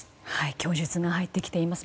供述が入ってきています。